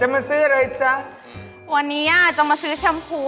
ไม่ได้ติด